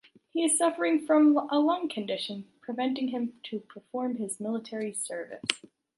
He is suffering from a lung condition preventing him to perform his military service.